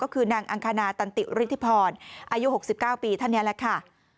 ก็คือนางอังคณาตันติฤทธิพรอายุ๖๙ปีท่านนี้แหละค่ะ